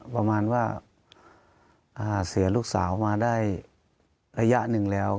ประมาณว่าเสียลูกสาวมาได้ระยะหนึ่งแล้ว